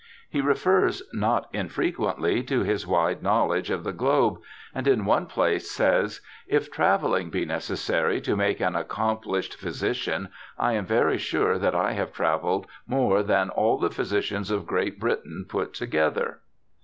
He refers not infrequently to his wide knowledge of the globe, and in one place says, ' if travelling be necessary to make an accomplished phy sician, I am very sure that I have travelled more than all the physicians of Great Britain put together.'